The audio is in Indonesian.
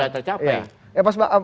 tapi kejuan sudah tercapai